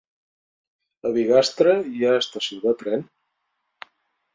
A Bigastre hi ha estació de tren?